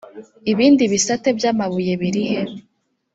ibindi bisate by amabuyebirihe